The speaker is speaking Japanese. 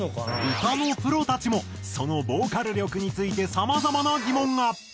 歌のプロたちもそのボーカル力についてさまざまな疑問が！